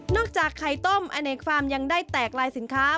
จากไข่ต้มอเนกฟาร์มยังได้แตกลายสินค้า